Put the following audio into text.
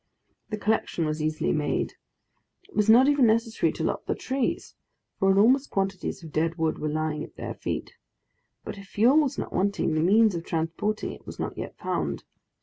The collection was easily made. It was not even necessary to lop the trees, for enormous quantities of dead wood were lying at their feet; but if fuel was not wanting, the means of transporting it was not yet found.